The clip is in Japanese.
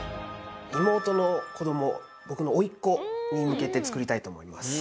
妹の子ども僕の甥っ子に向けて作りたいと思います。